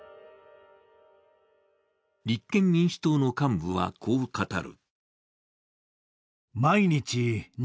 立憲民主党の幹部はこう語る。